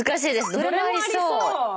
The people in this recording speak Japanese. どれもありそう。